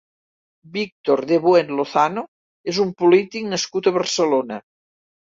Víctor de Buen Lozano és un polític nascut a Barcelona.